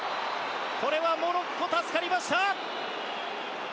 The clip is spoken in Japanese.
これはモロッコ助かりました。